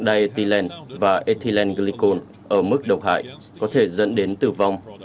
diethylen và ethylenglicol ở mức độc hại có thể dẫn đến tử vong